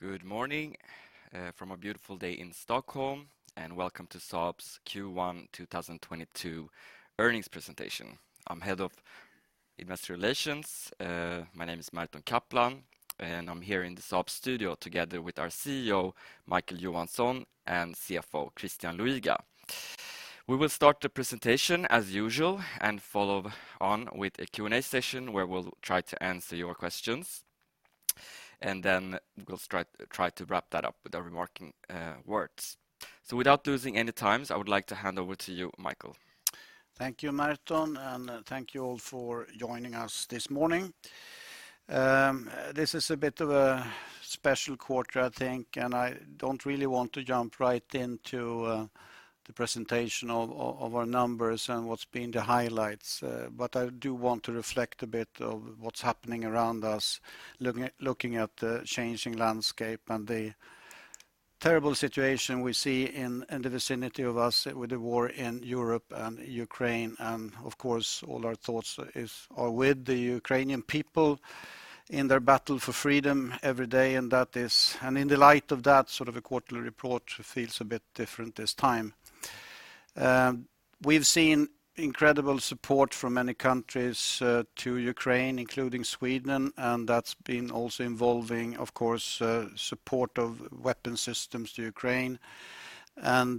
Good morning from a beautiful day in Stockholm, and Welcome to Saab's Q1 2022 Earnings Presentation. I'm Head of Investor Relations, my name is Merton Kaplan, and I'm here in the Saab studio together with our CEO, Micael Johansson, and CFO, Christian Luiga. We will start the presentation as usual and follow on with a Q&A session where we'll try to answer your questions, and then we'll try to wrap that up with our remarking words. Without losing any time, I would like to hand over to you, Micael. Thank you, Merton, and thank you all for joining us this morning. This is a bit of a special quarter, I think, and I don't really want to jump right into the presentation of our numbers and what's been the highlights, but I do want to reflect a bit of what's happening around us, looking at the changing landscape and the terrible situation we see in the vicinity of us with the war in Europe and Ukraine, and of course, all our thoughts are with the Ukrainian people in their battle for freedom every day. In the light of that, sort of a quarterly report feels a bit different this time. We've seen incredible support from many countries to Ukraine, including Sweden, and that's been also involving, of course, support of weapon systems to Ukraine.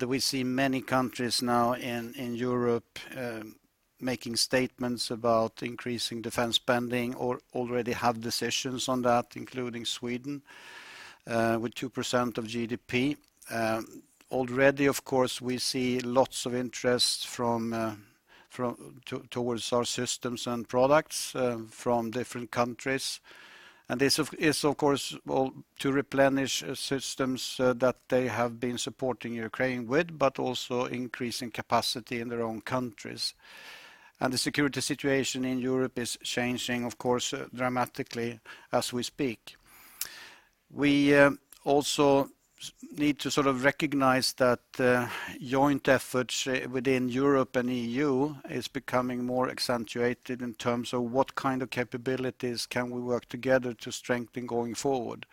We see many countries now in Europe making statements about increasing defense spending or already have decisions on that, including Sweden with 2% of GDP. Already, of course, we see lots of interest towards our systems and products from different countries. This is of course all to replenish systems that they have been supporting Ukraine with, but also increasing capacity in their own countries. The security situation in Europe is changing, of course, dramatically as we speak. We also need to sort of recognize that joint efforts within Europe and EU is becoming more accentuated in terms of what kind of capabilities can we work together to strengthen going forward.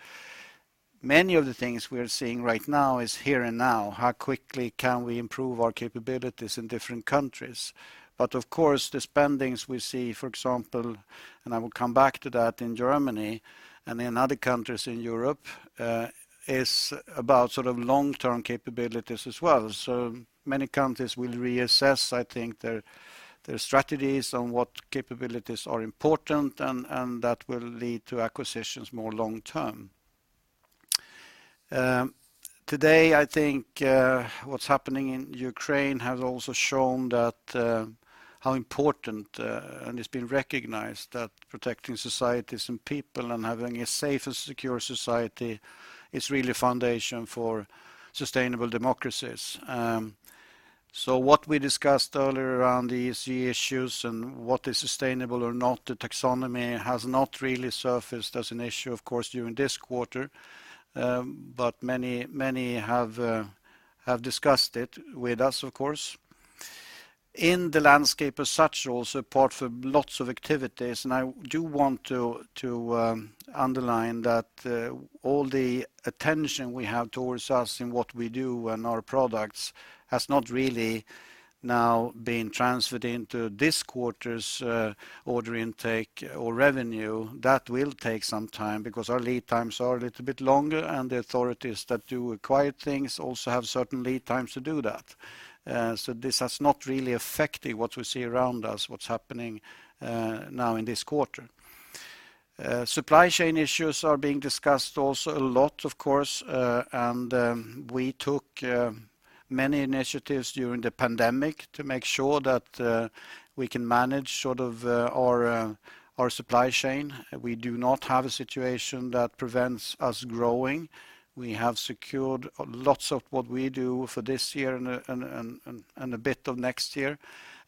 Many of the things we are seeing right now is here and now, how quickly can we improve our capabilities in different countries? Of course, the spendings we see, for example, and I will come back to that in Germany and in other countries in Europe, is about sort of long-term capabilities as well. Many countries will reassess, I think, their strategies on what capabilities are important, and that will lead to acquisitions more long-term. Today, I think, what's happening in Ukraine has also shown that how important, and it's been recognized that protecting societies and people and having a safe and secure society is really foundation for sustainable democracies. What we discussed earlier around the ESG issues and what is sustainable or not, the taxonomy has not really surfaced as an issue, of course, during this quarter, but many have discussed it with us, of course. In the landscape as such, also part of lots of activities, and I do want to underline that all the attention we have towards us in what we do and our products has not really now been transferred into this quarter's order intake or revenue. That will take some time because our lead times are a little bit longer, and the authorities that do acquire things also have certain lead times to do that. This has not really affected what we see around us, what's happening now in this quarter. Supply chain issues are being discussed also a lot, of course, and we took many initiatives during the pandemic to make sure that we can manage sort of our supply chain. We do not have a situation that prevents us growing. We have secured lots of what we do for this year and a bit of next year.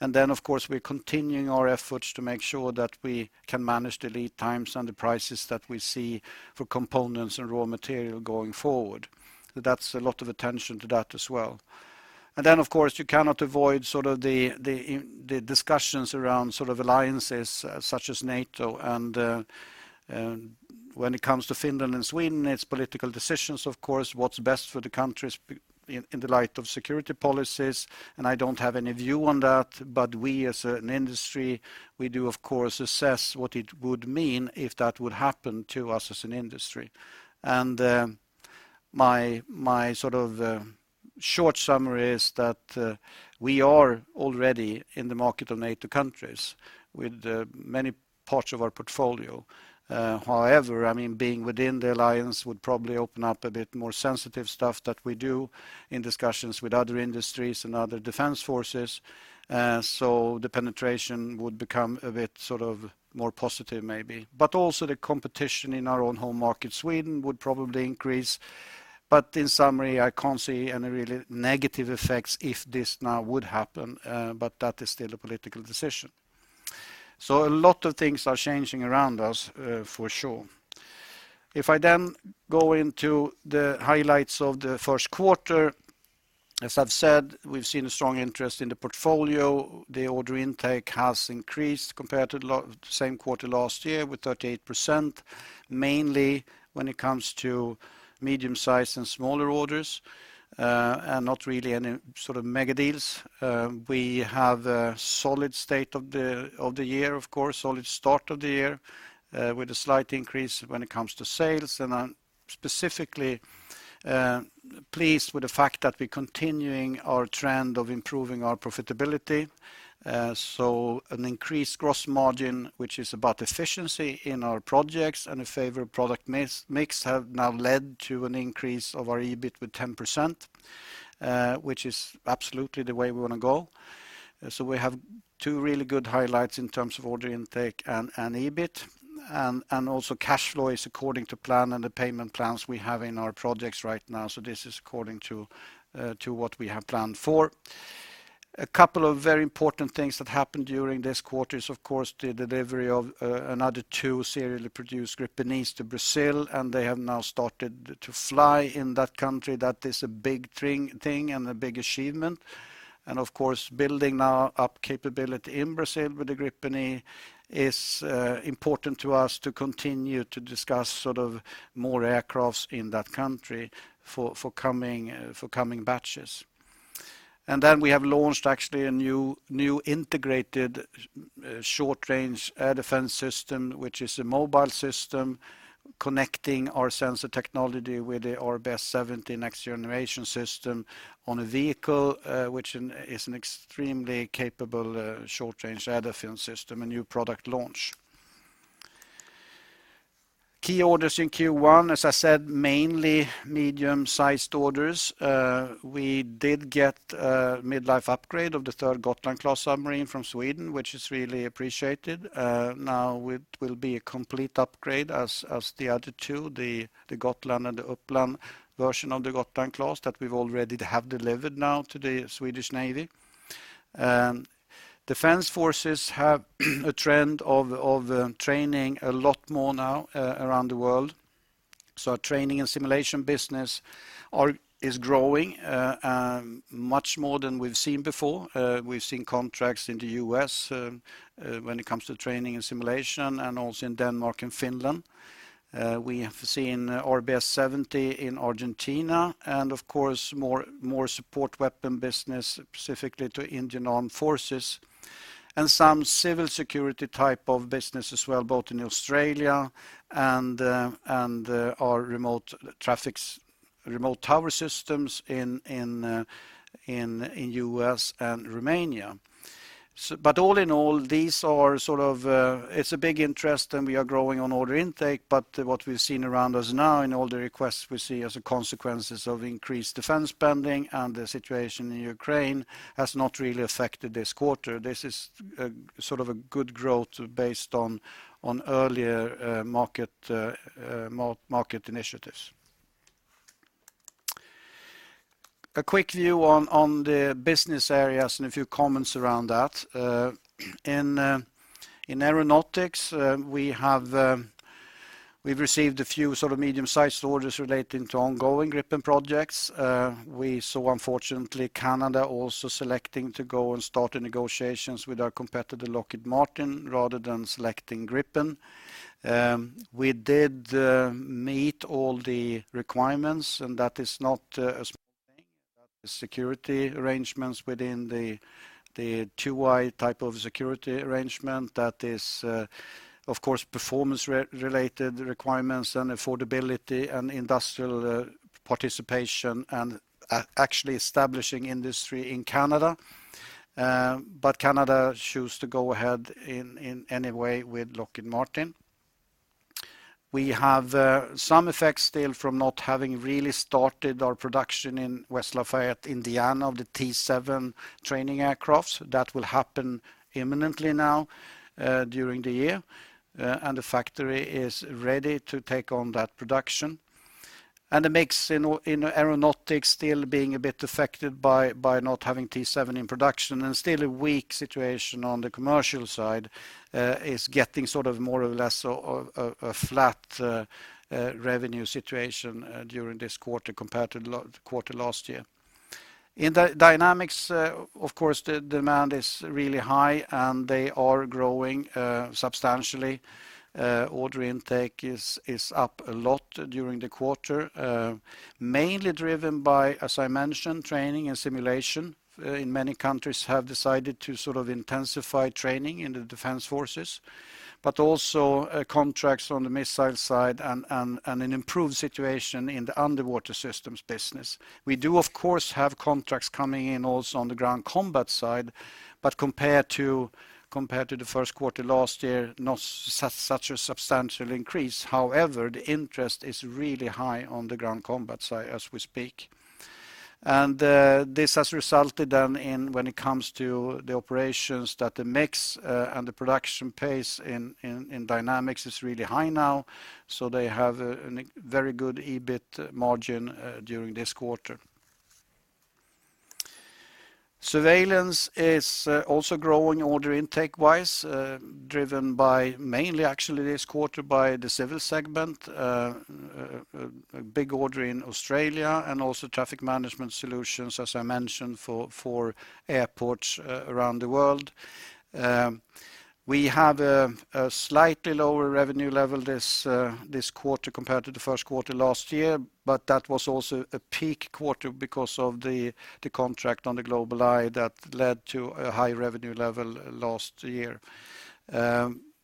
Then, of course, we're continuing our efforts to make sure that we can manage the lead times and the prices that we see for components and raw material going forward. That's a lot of attention to that as well. Then, of course, you cannot avoid sort of the discussions around sort of alliances, such as NATO, when it comes to Finland and Sweden. It's political decisions, of course, what's best for the countries in the light of security policies, and I don't have any view on that. We as an industry, we do, of course, assess what it would mean if that would happen to us as an industry. My sort of short summary is that we are already in the market of NATO countries with many parts of our portfolio. However, I mean, being within the alliance would probably open up a bit more sensitive stuff that we do in discussions with other industries and other defense forces, so the penetration would become a bit sort of more positive maybe. But also the competition in our own home market, Sweden, would probably increase. But in summary, I can't see any really negative effects if this now would happen, but that is still a political decision. A lot of things are changing around us, for sure. If I go into the highlights of the Q1. As I've said, we've seen a strong interest in the portfolio. The order intake has increased compared to the same quarter last year with 38%, mainly when it comes to medium-sized and smaller orders, and not really any sort of megadeals. We have a solid start of the year, of course, with a slight increase when it comes to sales. I'm specifically pleased with the fact that we're continuing our trend of improving our profitability. An increased gross margin, which is about efficiency in our projects and a favorable product mix, have now led to an increase of our EBIT with 10%, which is absolutely the way we wanna go. We have two really good highlights in terms of order intake and EBIT. Also cash flow is according to plan and the payment plans we have in our projects right now. This is according to what we have planned for. A couple of very important things that happened during this quarter is, of course, the delivery of another two serially produced Gripen E's to Brazil, and they have now started to fly in that country. That is a big thing and a big achievement. Of course, building now up capability in Brazil with the Gripen E is important to us to continue to discuss sort of more aircrafts in that country for coming batches. We have launched actually a new integrated short-range air defense system, which is a mobile system connecting our sensor technology with the RBS 70 next generation system on a vehicle, which is an extremely capable short-range air defense system, a new product launch. Key orders in Q1, as I said, mainly medium-sized orders. We did get a mid-life upgrade of the third Gotland-class submarine from Sweden, which is really appreciated. Now it will be a complete upgrade as the other two, the Gotland and the Uppland version of the Gotland-class that we've already have delivered now to the Swedish Navy. Defense forces have a trend of training a lot more now around the world. Our training and simulation business is growing much more than we've seen before. We've seen contracts in the U.S., when it comes to training and simulation, and also in Denmark and Finland. We have seen RBS 70 in Argentina and of course, more support weapon business, specifically to Indian armed forces, and some civil security type of business as well, both in Australia and our remote tower systems in the U.S. and Romania. All in all, these are sort of, it's a big interest, and we are growing on order intake, but what we've seen around us now in all the requests we see as a consequence of increased defense spending and the situation in Ukraine has not really affected this quarter. This is sort of a good growth based on earlier market initiatives. A quick view on the business areas and a few comments around that. In Aeronautics, we've received a few sort of medium-sized orders relating to ongoing Gripen projects. We saw, unfortunately, Canada also selecting to go and start the negotiations with our competitor, Lockheed Martin, rather than selecting Gripen. We did meet all the requirements, and that is not a small thing. The security arrangements within the Two Eyes-type of security arrangement that is, of course, performance-related requirements and affordability and industrial participation and actually establishing industry in Canada. Canada choose to go ahead in any way with Lockheed Martin. We have some effects still from not having really started our production in West Lafayette, Indiana of the T-7 training aircrafts. That will happen imminently now, during the year, and the factory is ready to take on that production. The mix in Aeronautics still being a bit affected by not having T-7 in production and still a weak situation on the commercial side is getting sort of more or less a flat revenue situation during this quarter compared to the quarter last year. In Dynamics, of course, the demand is really high, and they are growing substantially. Order intake is up a lot during the quarter, mainly driven by, as I mentioned, training and simulation. In many countries have decided to sort of intensify training in the defense forces, but also contracts on the missile side and an improved situation in the underwater systems business. We do, of course, have contracts coming in also on the ground combat side, but compared to the Q1 last year, not such a substantial increase. However, the interest is really high on the ground combat side as we speak. This has resulted then in when it comes to the operations that the mix and the production pace in Dynamics is really high now, so they have a very good EBIT margin during this quarter. Surveillance is also growing order intake-wise, driven by mainly actually this quarter by the civil segment, a big order in Australia and also traffic management solutions, as I mentioned, for airports around the world. We have a slightly lower revenue level this quarter compared to the Q1 last year, but that was also a peak quarter because of the contract on the GlobalEye that led to a high revenue level last year.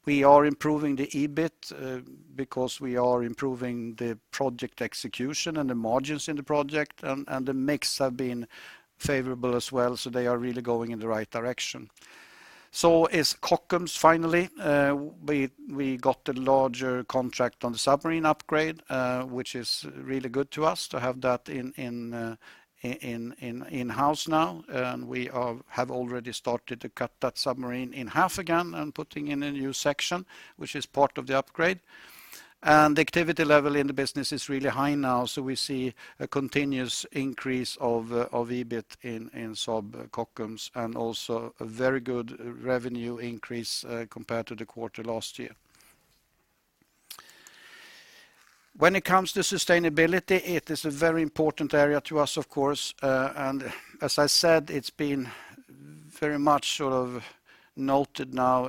We are improving the EBIT because we are improving the project execution and the margins in the project and the mix have been favorable as well, so they are really going in the right direction. At Kockums finally, we got the larger contract on the submarine upgrade, which is really good for us to have that in-house now. We have already started to cut that submarine in half again and putting in a new section, which is part of the upgrade. The activity level in the business is really high now, so we see a continuous increase of EBIT in Saab Kockums and also a very good revenue increase compared to the quarter last year. When it comes to sustainability, it is a very important area to us, of course. As I said, it's been very much sort of noted now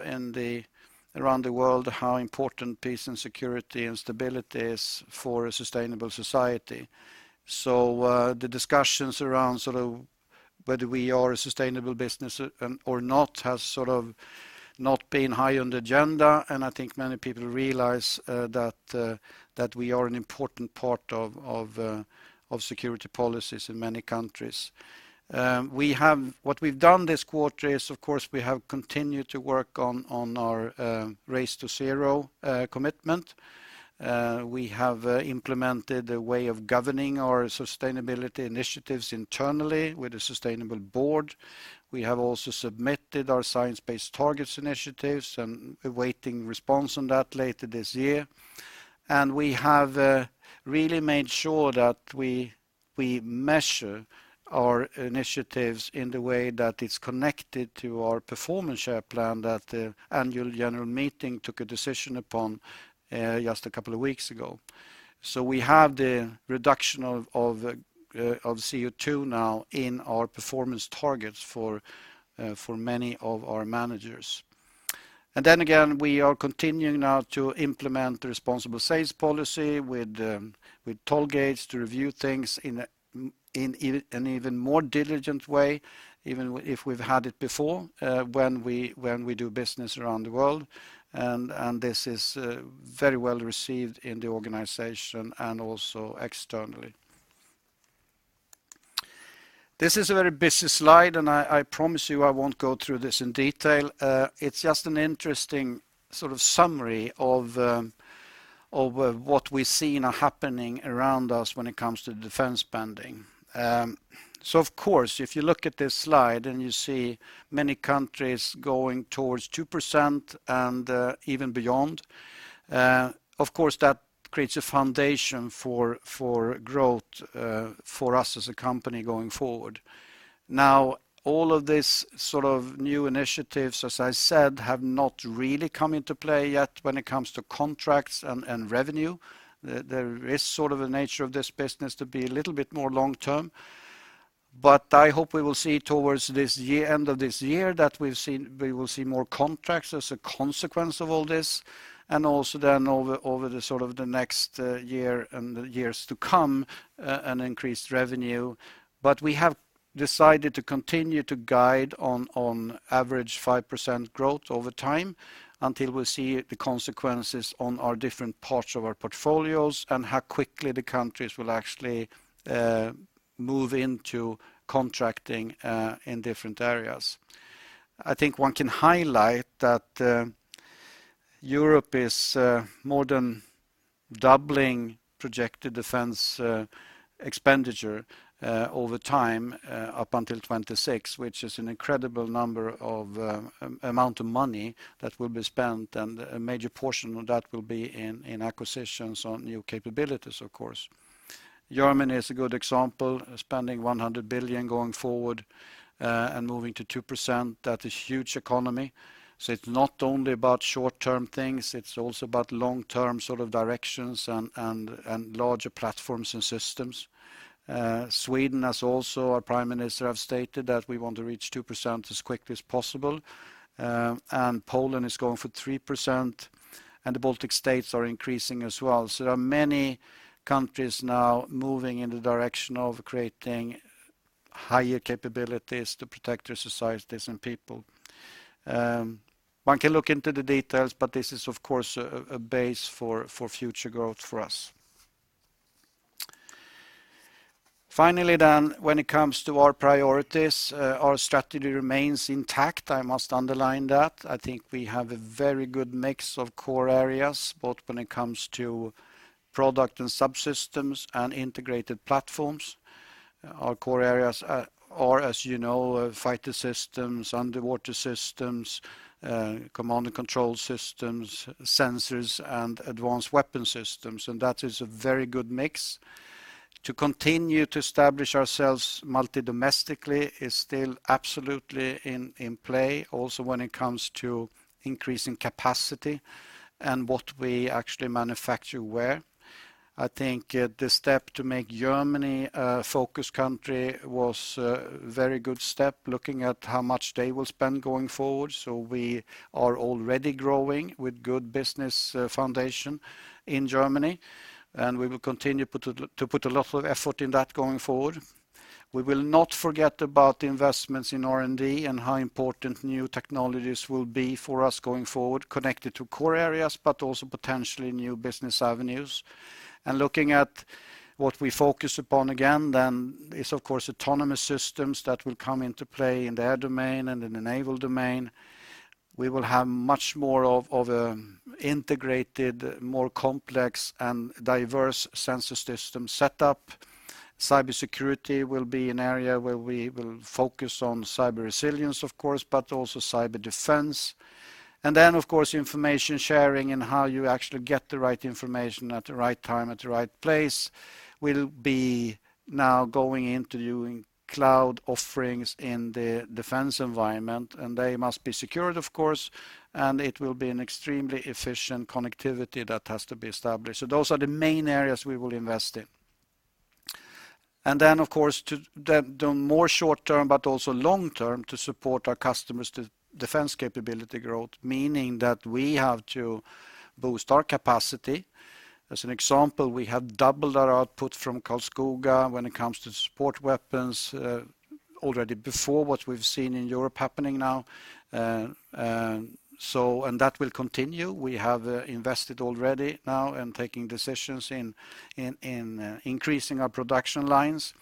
around the world how important peace and security and stability is for a sustainable society. The discussions around sort of whether we are a sustainable business or not has sort of not been high on the agenda, and I think many people realize that we are an important part of security policies in many countries. What we've done this quarter is, of course, we have continued to work on our Race to Zero commitment. We have implemented a way of governing our sustainability initiatives internally with a sustainable board. We have also submitted our Science Based Targets initiative and awaiting response on that later this year. We have really made sure that we measure our initiatives in the way that it's connected to our performance share plan that the annual general meeting took a decision upon just a couple of weeks ago. We have the reduction of CO2 now in our performance targets for many of our managers. We are continuing now to implement the responsible sales policy with toll gates to review things in an even more diligent way, even if we've had it before, when we do business around the world. This is very well-received in the organization and also externally. This is a very busy slide, and I promise you I won't go through this in detail. It's just an interesting sort of summary of what we're seeing happening around us when it comes to defense spending. Of course, if you look at this slide and you see many countries going towards 2% and even beyond, of course, that creates a foundation for growth for us as a company going forward. Now, all of this sort of new initiatives, as I said, have not really come into play yet when it comes to contracts and revenue. There is sort of a nature of this business to be a little bit more long term. I hope we will see towards the end of this year we will see more contracts as a consequence of all this, and also then over the sort of the next year and the years to come an increased revenue. We have decided to continue to guide on average 5% growth over time until we see the consequences on our different parts of our portfolios and how quickly the countries will actually move into contracting in different areas. I think one can highlight that, Europe is more than doubling projected defense expenditure over time up until 2026, which is an incredible number of amount of money that will be spent, and a major portion of that will be in acquisitions on new capabilities, of course. Germany is a good example, spending 100 billion going forward, and moving to 2%. That is huge economy. It's not only about short-term things, it's also about long-term sort of directions and larger platforms and systems. Sweden has also our Prime Minister have stated that we want to reach 2% as quickly as possible. Poland is going for 3%, and the Baltic states are increasing as well. There are many countries now moving in the direction of creating higher capabilities to protect their societies and people. One can look into the details, but this is of course a base for future growth for us. Finally, when it comes to our priorities, our strategy remains intact. I must underline that. I think we have a very good mix of core areas, both when it comes to product and subsystems and integrated platforms. Our core areas are, as you know, fighter systems, underwater systems, command and control systems, sensors, and advanced weapon systems. That is a very good mix. To continue to establish ourselves multi-domestically is still absolutely in play also when it comes to increasing capacity and what we actually manufacture where. I think the step to make Germany a focus country was a very good step looking at how much they will spend going forward. We are already growing with good business foundation in Germany, and we will continue to put a lot of effort in that going forward. We will not forget about investments in R&D and how important new technologies will be for us going forward, connected to core areas but also potentially new business avenues. Looking at what we focus upon again then is of course autonomous systems that will come into play in the air domain and in naval domain. We will have much more of integrated, more complex, and diverse sensor system set up. Cybersecurity will be an area where we will focus on cyber resilience of course, but also cyber defense. Of course information sharing and how you actually get the right information at the right time, at the right place will be now going into doing cloud offerings in the defense environment. They must be secured of course, and it will be an extremely efficient connectivity that has to be established. Those are the main areas we will invest in. To the more short-term but also long-term to support our customers to defense capability growth, meaning that we have to boost our capacity. As an example, we have doubled our output from Karlskoga when it comes to support weapons, already before what we've seen in Europe happening now. That will continue. We have invested already now in taking decisions in increasing our production lines.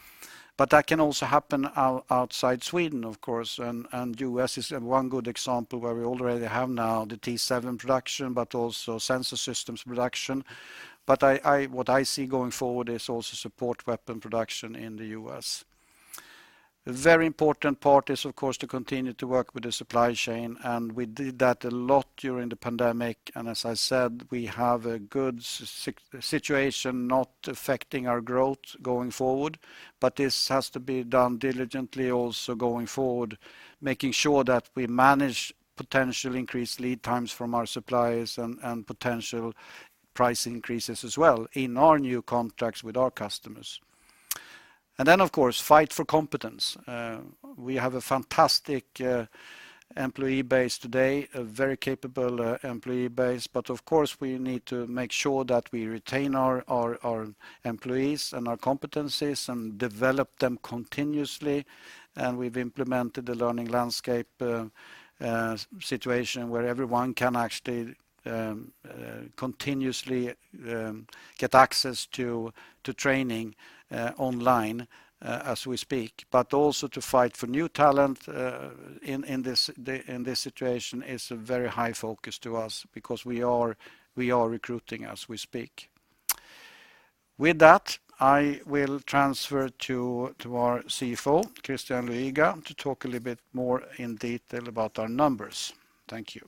That can also happen outside Sweden of course and U.S. is one good example where we already have now the T7 production but also sensor systems production. What I see going forward is also support weapon production in the U.S.. A very important part is of course to continue to work with the supply chain, and we did that a lot during the pandemic. As I said, we have a good situation not affecting our growth going forward. This has to be done diligently also going forward, making sure that we manage potential increased lead times from our suppliers and potential price increases as well in our new contracts with our customers. Of course fight for competence. We have a fantastic employee base today, a very capable employee base. Of course, we need to make sure that we retain our employees and our competencies and develop them continuously. We've implemented a learning landscape, situation where everyone can actually continuously get access to training online, as we speak. Also to fight for new talent in this situation is a very high focus to us because we are recruiting as we speak. With that, I will transfer to our CFO, Christian Luiga, to talk a little bit more in detail about our numbers. Thank you.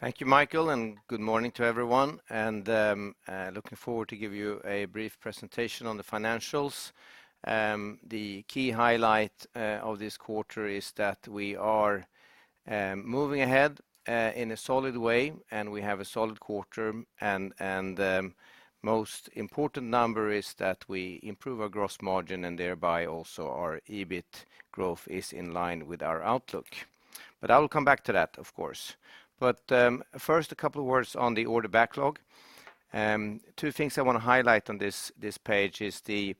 Thank you, Micael, and good morning to everyone. Looking forward to give you a brief presentation on the financials. The key highlight of this quarter is that we are moving ahead in a solid way, and we have a solid quarter and most important number is that we improve our gross margin and thereby also our EBIT growth is in line with our outlook. I will come back to that of course. First, a couple words on the order backlog. Two things I want to highlight on this page is the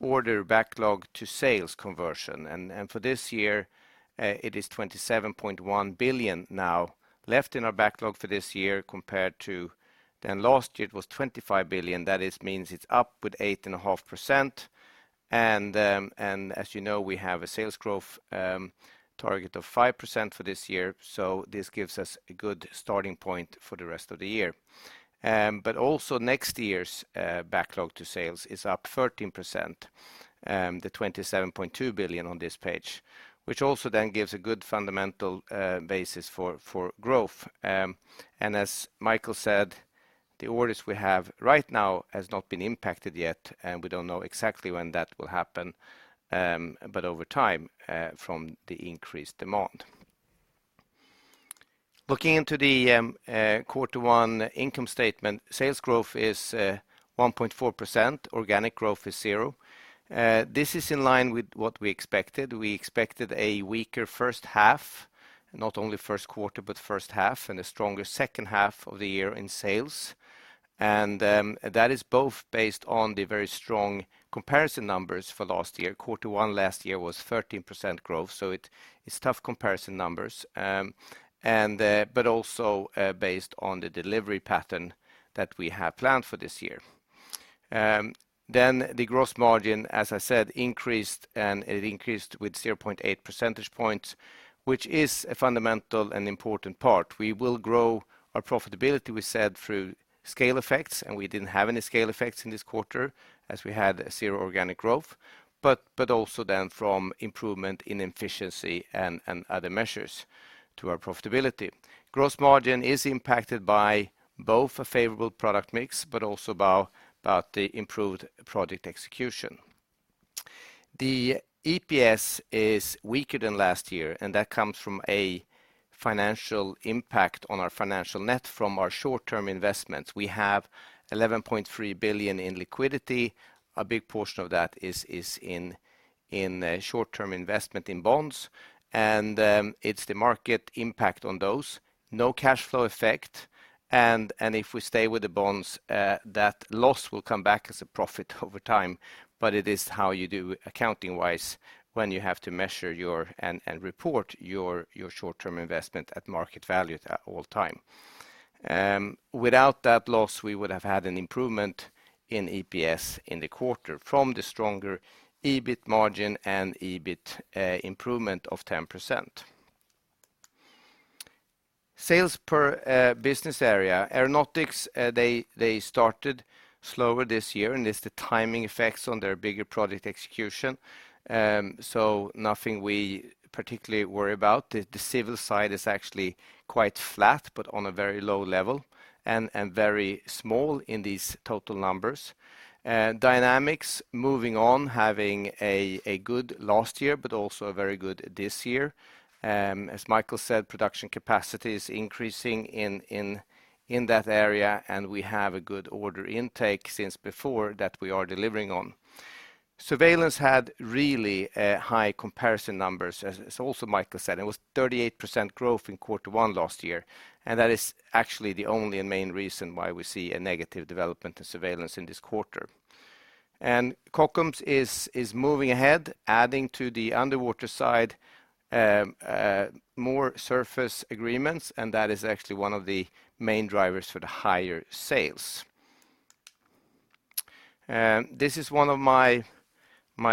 order backlog to sales conversion. For this year, it is 27.1 billion now left in our backlog for this year compared to then last year it was 25 billion. That means it's up with 8.5%. As you know, we have a sales growth target of 5% for this year. This gives us a good starting point for the rest of the year. Also next year's backlog to sales is up 13%, the 27.2 billion on this page, which also gives a good fundamental basis for growth. As Micael said, the orders we have right now has not been impacted yet, and we don't know exactly when that will happen, but over time from the increased demand. Looking into the Q1 income statement, sales growth is 1.4%. Organic growth is zero. This is in line with what we expected. We expected a weaker H1, not only Q1, but H1, and a stronger H2 of the year in sales. That is both based on the very strong comparison numbers for last year. Q1 last year was 13% growth, so it is tough comparison numbers, but also based on the delivery pattern that we have planned for this year. The gross margin, as I said, increased, and it increased with 0.8 percentage points, which is a fundamental and important part. We will grow our profitability, we said, through scale effects, and we didn't have any scale effects in this quarter as we had zero organic growth, but also from improvement in efficiency and other measures to our profitability. Gross margin is impacted by both a favorable product mix but also by the improved product execution. The EPS is weaker than last year, and that comes from a financial impact on our financial net from our short-term investments. We have 11.3 billion in liquidity. A big portion of that is in short-term investment in bonds, and it's the market impact on those. No cash flow effect. If we stay with the bonds, that loss will come back as a profit over time. It is how you do accounting-wise when you have to measure your and report your short-term investment at market value at all time. Without that loss, we would have had an improvement in EPS in the quarter from the stronger EBIT margin and EBIT improvement of 10%. Sales per business area. Aeronautics, they started slower this year, and it's the timing effects on their bigger project execution. Nothing we particularly worry about. The civil side is actually quite flat, but on a very low level and very small in these total numbers. Dynamics moving on, having a good last year, but also very good this year. As Micael said, production capacity is increasing in that area, and we have a good order intake since before that we are delivering on. Surveillance had really high comparison numbers. As also Micael said, it was 38% growth in Q1 last year, and that is actually the only and main reason why we see a negative development in Surveillance in this quarter. Kockums is moving ahead, adding to the underwater side, more surface agreements, and that is actually one of the main drivers for the higher sales. This is one of my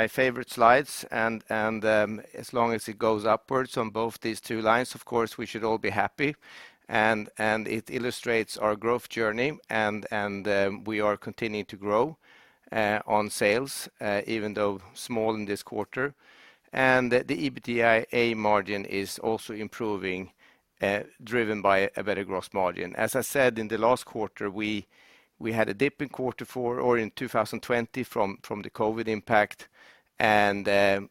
favorite slides and, as long as it goes upwards on both these two lines, of course, we should all be happy. It illustrates our growth journey and we are continuing to grow on sales, even though small in this quarter. The EBITDA margin is also improving, driven by a better gross margin. As I said in the last quarter, we had a dip in Q4 or in 2020 from the COVID impact and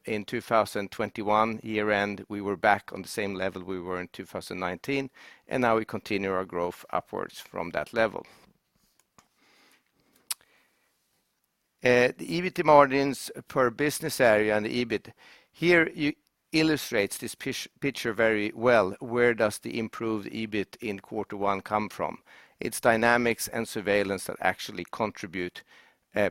in 2021 year end, we were back on the same level we were in 2019, and now we continue our growth upwards from that level. The EBIT margins per business area and the EBIT here illustrates this picture very well. Where does the improved EBIT in Q1 come from? It's Dynamics and Surveillance that actually contribute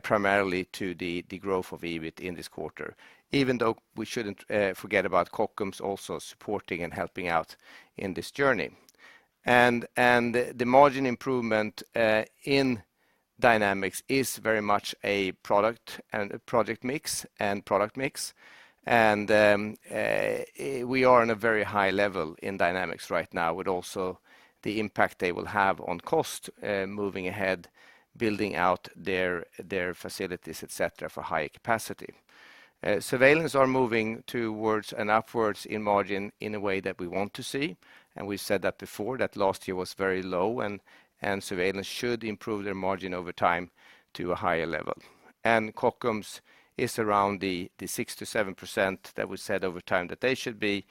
primarily to the growth of EBIT in this quarter. Even though we shouldn't forget about Kockums also supporting and helping out in this journey. The margin improvement in Dynamics is very much a product and a project mix and product mix. We are on a very high level in Dynamics right now with also the impact they will have on cost moving ahead, building out their facilities, etc., for higher capacity. Surveillance are moving towards and upwards in margin in a way that we want to see. We said that before, that last year was very low and Surveillance should improve their margin over time to a higher level. Kockums is around the 6% to 7% that we said over time that they should be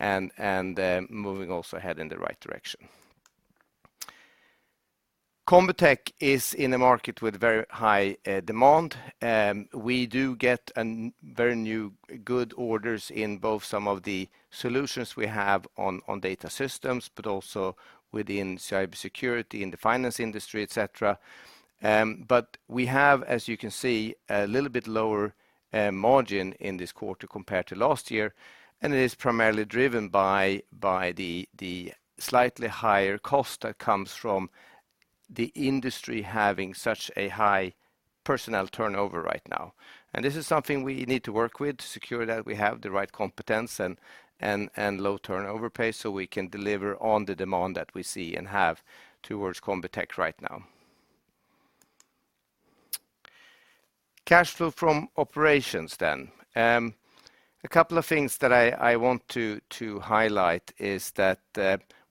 and moving also ahead in the right direction. Combitech is in a market with very high demand. We do get a very good number of orders in both some of the solutions we have on data systems, but also within cybersecurity, in the finance industry, etc. We have, as you can see, a little bit lower margin in this quarter compared to last year, and it is primarily driven by the slightly higher cost that comes from the industry having such a high personnel turnover right now. This is something we need to work with to secure that we have the right competence and low turnover pay, so we can deliver on the demand that we see and have towards Combitech right now. Cash flow from operations. A couple of things that I want to highlight is that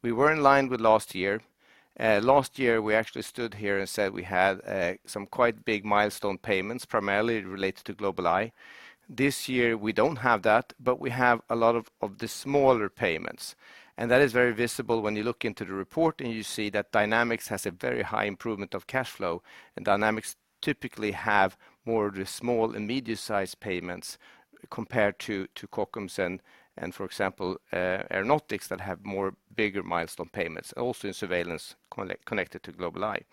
we were in line with last year. Last year, we actually stood here and said we had some quite big milestone payments, primarily related to GlobalEye. This year we don't have that, but we have a lot of the smaller payments, and that is very visible when you look into the report and you see that Dynamics has a very high improvement of cash flow, and Dynamics typically have more of the small and medium-sized payments compared to Kockums and for example Aeronautics that have more bigger milestone payments, also in Surveillance connected to GlobalEye.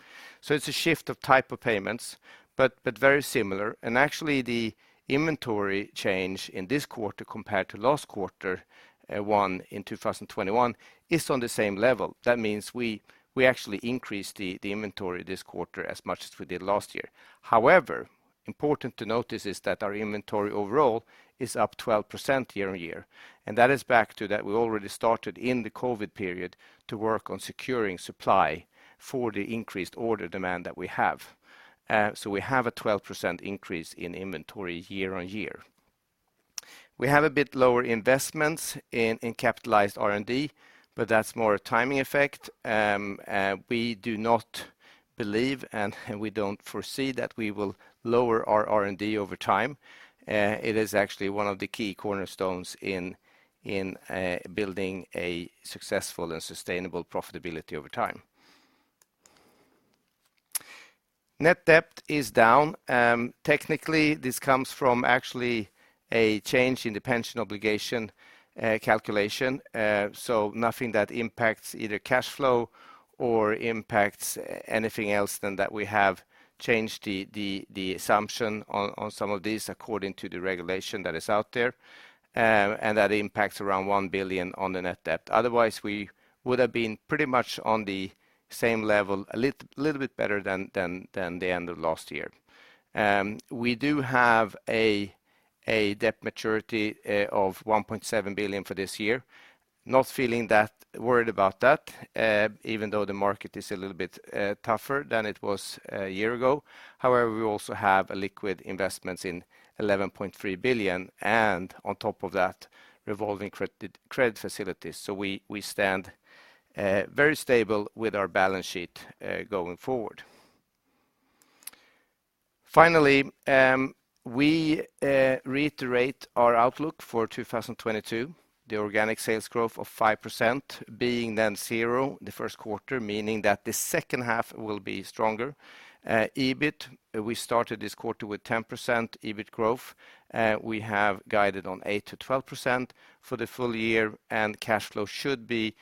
It's a shift of type of payments, but very similar. Actually, the inventory change in this quarter compared to last quarter, Q1 2021, is on the same level. That means we actually increased the inventory this quarter as much as we did last year. However, important to notice is that our inventory overall is up 12% year-on-year, and that is back to that we already started in the COVID period to work on securing supply for the increased order demand that we have. So we have a 12% increase in inventory year-on-year. We have a bit lower investments in capitalized R&D, but that's more a timing effect. We do not believe and we don't foresee that we will lower our R&D over time. It is actually one of the key cornerstones in building a successful and sustainable profitability over time. Net debt is down. Technically, this comes from actually a change in the pension obligation calculation. Nothing that impacts either cash flow or impacts anything else than that we have changed the assumption on some of these according to the regulation that is out there. That impacts around 1 billion on the net debt. Otherwise, we would have been pretty much on the same level, little bit better than the end of last year. We do have a debt maturity of 1.7 billion for this year. Not feeling that worried about that, even though the market is a little bit tougher than it was a year ago. However, we also have liquid investments in 11.3 billion and on top of that, revolving credit facilities. We stand very stable with our balance sheet going forward. Finally, we reiterate our outlook for 2022, the organic sales growth of 5% being 0% in the first quarter, meaning that the second half will be stronger. EBIT, we started this quarter with 10% EBIT growth. We have guided on 8% to 12% for the full year, and cash flow should be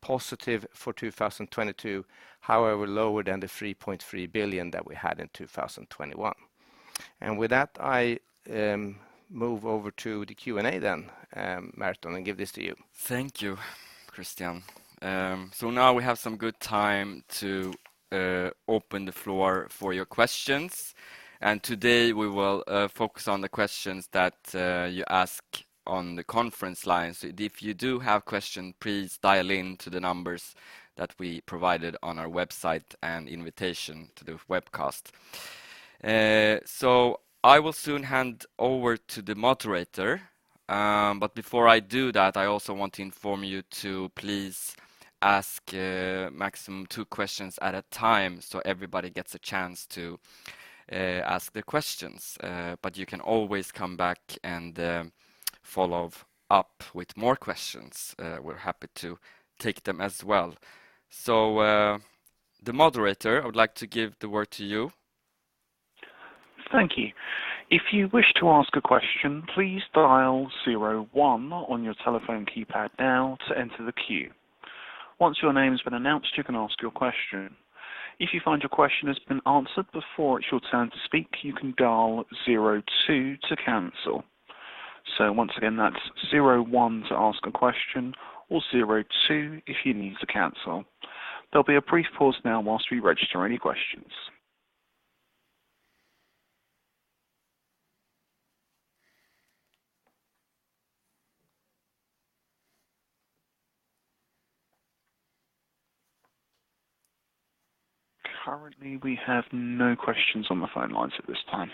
positive for 2022, however, lower than 3.3 billion that we had in 2021. With that, I move over to the Q&A then, Merton, and give this to you. Thank you, Christian. Now we have some good time to open the floor for your questions. Today, we will focus on the questions that you ask on the conference line. If you do have question, please dial in to the numbers that we provided on our website and invitation to the webcast. I will soon hand over to the moderator. Before I do that, I also want to inform you to please ask maximum two questions at a time, so everybody gets a chance to ask their questions. You can always come back and follow up with more questions. We're happy to take them as well. The moderator, I would like to give the word to you. Thank you. If you wish to ask a question, please dial zero one on your telephone keypad now to enter the queue. Once your name has been announced, you can ask your question. If you find your question has been answered before it's your turn to speak, you can dial zero two to cancel. So once again, that's zero one to ask a question or zero two if you need to cancel. There'll be a brief pause now whilst we register any questions. Currently, we have no questions on the phone lines at this time.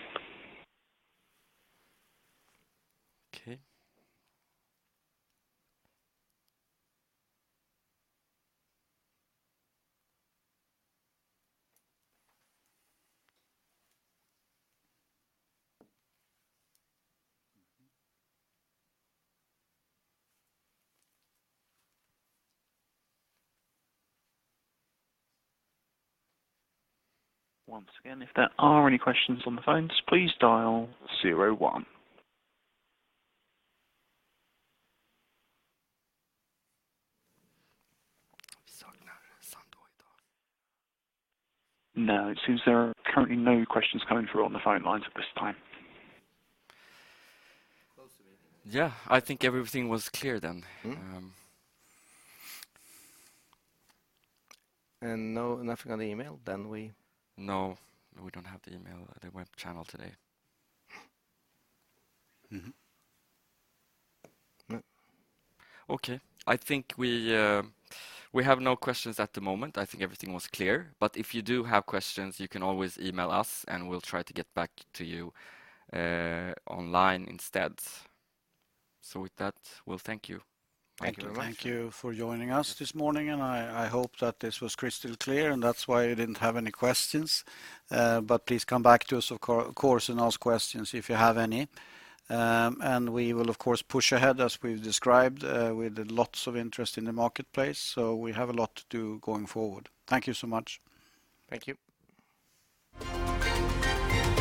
Okay. Once again, if there are any questions on the phones, please dial zero one. No, it seems there are currently no questions coming through on the phone lines at this time. Yeah, I think everything was clear then. Nothing on the email, then we. No, we don't have the email, the web channel today. Mm-hmm. Okay. I think we have no questions at the moment. I think everything was clear. If you do have questions, you can always email us, and we'll try to get back to you, online instead. With that, we'll thank you. Thank you. Thank you for joining us this morning, and I hope that this was crystal clear, and that's why you didn't have any questions. Please come back to us of course and ask questions if you have any. We will of course push ahead as we've described. We did lots of interest in the marketplace, so we have a lot to do going forward. Thank you so much. Thank you.